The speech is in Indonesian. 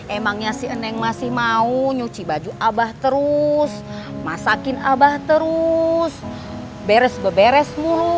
emangnya si eneng masih mau nyuci baju abah terus masakin abah terus beres berberes mulu